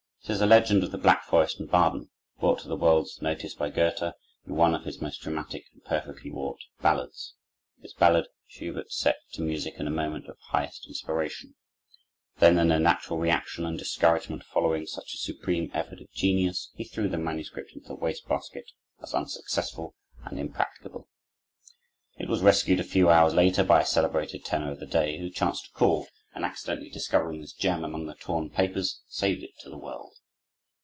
It is a legend of the Black Forest in Baden, brought to the world's notice by Goethe in one of his most dramatic and perfectly wrought ballads. This ballad Schubert set to music in a moment of highest inspiration; then, in the natural reaction and discouragement following such a supreme effort of genius, he threw the manuscript into the waste basket as unsuccessful and impracticable. It was rescued a few hours later by a celebrated tenor of the day, who chanced to call, and accidentally discovering this gem among the torn papers, saved it to the world.